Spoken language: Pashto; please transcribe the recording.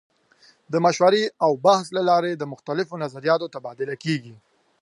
د مشورې او بحث له لارې د مختلفو نظریاتو تبادله کیږي.